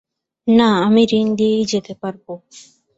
না, আমি রিং দিয়েই যেতে পারবো।